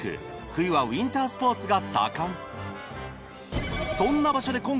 冬はウインタースポーツが盛んそんな場所でお！